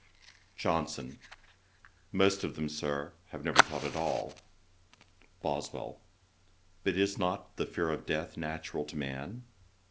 JOHNSON. 'Most of them, Sir, have never thought at all.' BOSWELL. 'But is not the fear of death natural to man?'